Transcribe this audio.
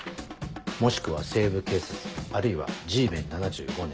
もしくは『西部警察』あるいは『Ｇメン’７５』ね。